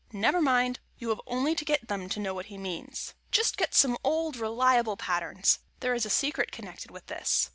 Never mind. You have only to get them to know what he means. Just get some old, reliable patterns. There is a secret connected with this.